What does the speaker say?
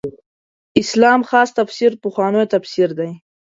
اسلام خاص تفسیر پخوانو تفسیر دی.